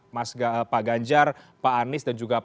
mas pak ganjar pak anies dan juga